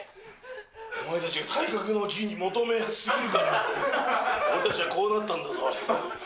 お前たちが体格の儀に求めすぎるから、俺たちはこうなったんだぞ。